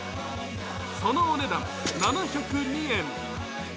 そのお値段７０２円。